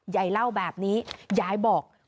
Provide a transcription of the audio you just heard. ยายเล่าแบบนี้ยายบอก